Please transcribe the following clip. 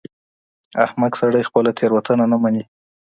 احمق سړی خپله تېروتنه نه مني.